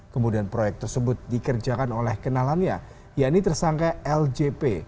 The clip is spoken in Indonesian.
kemudian proyek tersebut dikerjakan oleh kenalannya yaitu tersangka ljp